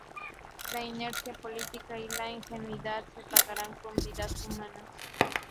La inercia política y la ingenuidad se pagarán con vidas humanas"".